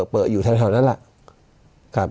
เปิดอยู่ทางเท่านั้นล่ะ